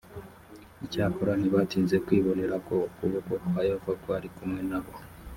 icyakora ntibatinze kwibonera ko ukuboko kwa yehova kwari kumwe na bo